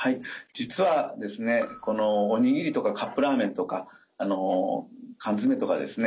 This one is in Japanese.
実はですねおにぎりとかカップラーメンとか缶詰とかですね